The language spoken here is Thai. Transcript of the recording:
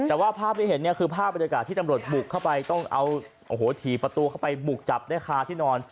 แต่ว่าภาพที่เห็นเนี่ยคือภาพบรรยากาศที่ตำรวจบุกเข้าไปต้องเอาโอ้โหถี่ประตูเข้าไปบุกจับได้คาที่นอน